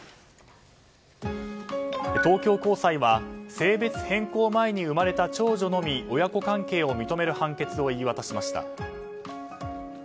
東京高裁は性別変更前に生まれた長女のみ親子関係を認める判決を言い渡しました。